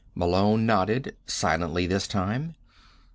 Malone nodded, silently this time.